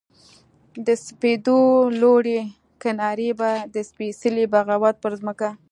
د سپېدو لوړې کنارې به د سپیڅلې بغاوت پر مځکه